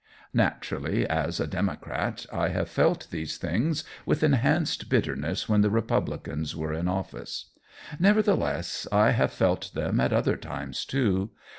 Naturally, as a Democrat I have felt these things with enhanced bitterness when the Republicans were in office; nevertheless, I have felt them at other times, too.